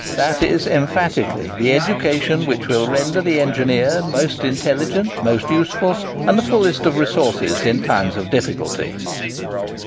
That is, emphatically, the education which will render the engineer most intelligent, most useful, and the fullest of resources in times of difficulty."